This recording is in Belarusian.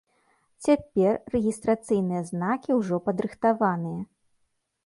Цяпер рэгістрацыйныя знакі ўжо падрыхтаваныя.